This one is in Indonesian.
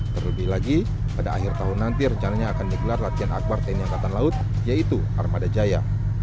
terlebih lagi pada akhir tahun nanti rencananya akan digelar latihan akbar tni angkatan laut yaitu armada jaya